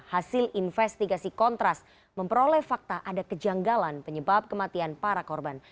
hasil investigasi kontras memperoleh fakta ada kejanggalan penyebab kematian para korban